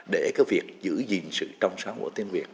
để cái việc giữ gìn sự trong sáng của tiếng việt